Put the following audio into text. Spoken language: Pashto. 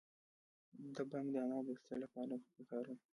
د بنګ دانه د څه لپاره وکاروم؟